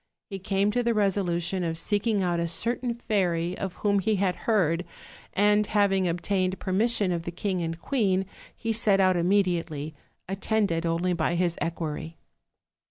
He came to the resolution of seeking out a certain fairy of whom he had heard, and having obtained permission of the king and queen he set out immediately, attended only by his equerry.